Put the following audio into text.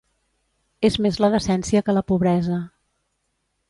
És més la decència que la pobresa.